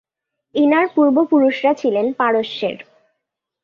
Inner পূর্ব পুরুষরা ছিলেন পারস্যের।